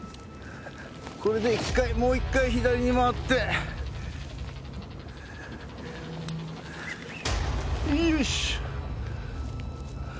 これで１回もう１回左に回っていっよいしょ